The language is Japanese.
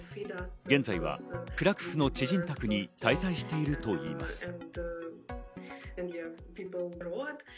現在はクラクフの知人宅に滞在しているといいます。